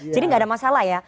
jadi gak ada masalah ya